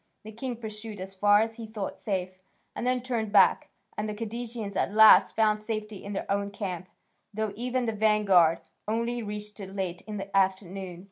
The king pursued as far as he thought safe, and then turned back, and the Cadousians at last found safety in their own camp, though even the vanguard only reached it late in the afternoon.